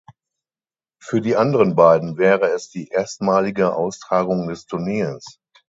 Für die anderen beiden wäre es die erstmalige Austragung des Turniers.